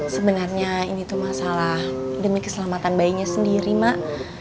sebenarnya ini tuh masalah demi keselamatan bayinya sendiri mak